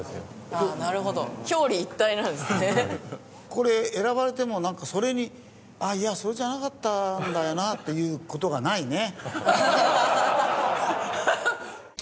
これ選ばれてもなんかそれにいやそれじゃなかったんだよなっていう事がないね。